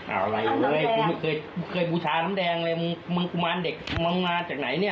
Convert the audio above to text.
อะไรเลยกูไม่เคยเคยบูชาน้ำแดงเลยมึงมึงกุมารเด็กมึงงานจากไหนเนี่ย